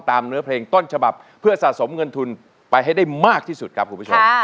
เนื้อเพลงต้นฉบับเพื่อสะสมเงินทุนไปให้ได้มากที่สุดครับคุณผู้ชม